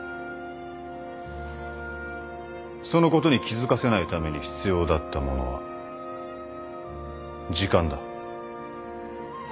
そのことに気付かせないために必要だったものは時間だ。